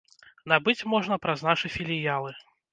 Набыць можна праз нашы філіялы.